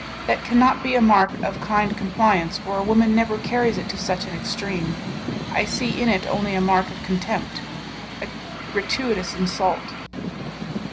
That cannot be a mark of kind compliance, for a woman never carries it to such an extreme. I see in it only a mark of contempt a gratuitous insult.